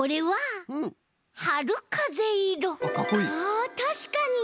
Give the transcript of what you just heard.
あたしかに。